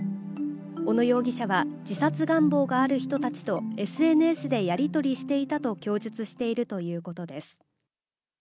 小野容疑者は、自殺願望がある人たちとＳＮＳでやり取りしていたと供述しているということです。